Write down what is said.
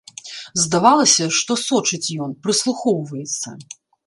Здавалася, што сочыць ён, прыслухоўваецца.